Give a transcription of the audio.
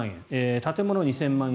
建物２０００万円